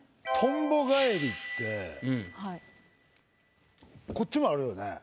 「とんぼ返り」ってこっちもあるよね？